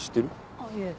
あっいえ。